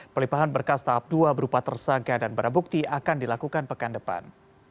pelimpahan berkas tahap dua berupa tersangka dan barang bukti akan dilakukan pekan depan